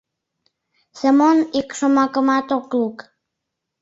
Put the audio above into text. Семон ик шомакымат ок лук.